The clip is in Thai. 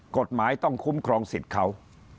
กฎหมายต้องคุ้มครองสิทธิ์เขา